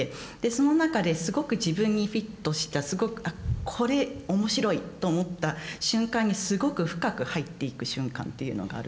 その中ですごく自分にフィットしたすごくあっこれ面白いと思った瞬間にすごく深く入っていく瞬間っていうのがあるんですね。